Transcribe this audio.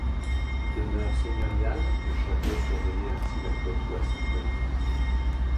Demeure seigneuriale, le château surveillait ainsi la côte ouest de la Manche.